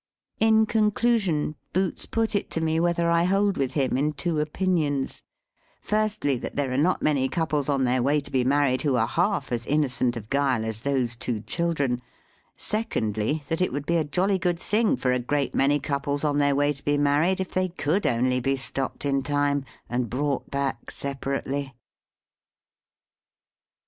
In conclusion, Boots put it to me whether I hold with him in two opinions: firstly, that there are not many couples on their way to be married who are half as innocent of guile as those two children; secondly, that it would be a jolly good thing for a great many couples on their way to be married, if they could only be stopped in time, and brought back separately.